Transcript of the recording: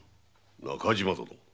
中島殿。